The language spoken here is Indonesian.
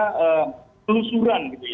kita bisa menggunakan logika umdi yang tersebut